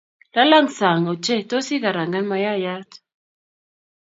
lalang saang ochei tos ikarangan mayayat